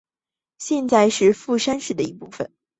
现在是富山市的一部分。